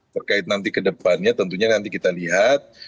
terkait nanti ke depannya tentunya nanti kita lihat